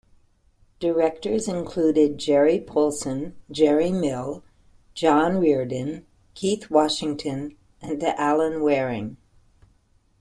Directors included Gerry Poulson, Gerry Mill, John Reardon, Keith Washington and Alan Wareing.